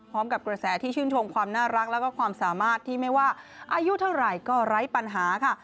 กระแสที่ชื่นชมความน่ารักแล้วก็ความสามารถที่ไม่ว่าอายุเท่าไหร่ก็ไร้ปัญหาค่ะ